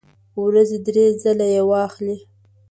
ورځې درې ځله یی واخلئ